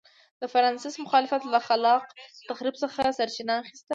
د فرانسیس مخالفت له خلاق تخریب څخه سرچینه اخیسته.